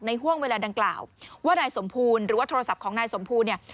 ห่วงเวลาดังกล่าวว่านายสมบูรณ์หรือว่าโทรศัพท์ของนายสมภูเนี่ย